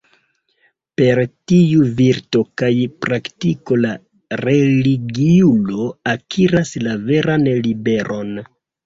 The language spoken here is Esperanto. Per tiu virto kaj praktiko la religiulo akiras la veran liberon.